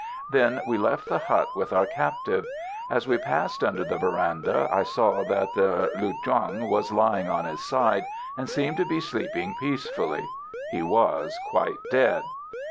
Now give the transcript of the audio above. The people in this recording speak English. Then we left the hut with our captive. As we passed under the verandah I saw that the lu thuong was lying on his side, and seemed to be sleeping peacefully. He was quite dead.